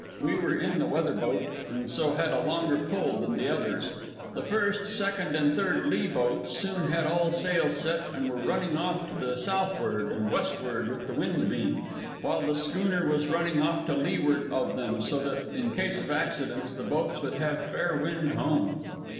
We were in the weather boat, and so had a longer pull than the others. The first, second, and third lee boats soon had all sail set and were running off to the southward and westward with the wind beam, while the schooner was running off to leeward of them, so that in case of accident the boats would have fair wind home.